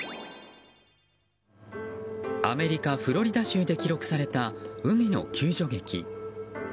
アメリカ・フロリダ州で記録された海の救助劇。